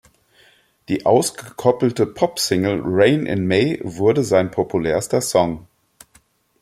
Die ausgekoppelte Pop-Single "Rain in May" wurde sein populärster Song.